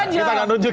kita kan nunggu